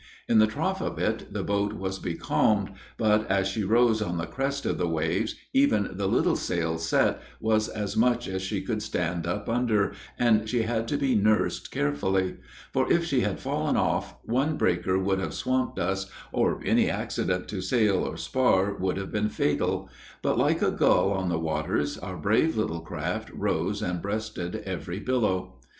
In the trough of it the boat was becalmed, but as she rose on the crest of the waves even the little sail set was as much as she could stand up under, and she had to be nursed carefully; for if she had fallen off, one breaker would have swamped us, or any accident to sail or spar would have been fatal: but like a gull on the waters, our brave little craft rose and breasted every billow.